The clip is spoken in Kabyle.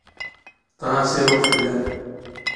Aṭas i ruɣ fell-am.